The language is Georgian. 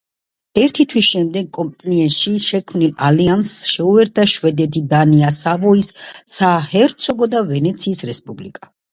ერთი თვის შემდეგ კომპიენში შექმნილ ალიანსს შეუერთდა შვედეთი, დანია, სავოიის საჰერცოგო და ვენეციის რესპუბლიკა.